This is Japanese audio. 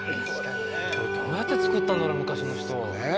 これどうやって造ったんだろう昔の人。